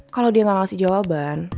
kalau dia nggak ngasih jawaban